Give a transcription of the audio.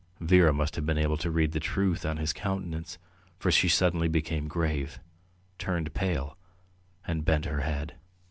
... Vera must have been able to read the truth on his countenance, for she suddenly became grave, turned pale, and bent her head.